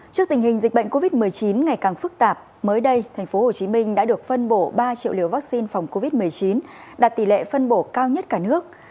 trước tình hình dịch bệnh covid một mươi chín ngày càng phức tạp mới đây tp hcm đã được phân bổ ba triệu liều vaccine phòng covid một mươi chín đạt tỷ lệ phân bổ cao nhất cả nước